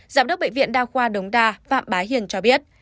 giám đốc bệnh viện đa khoa đống đa phạm bá hiền cho biết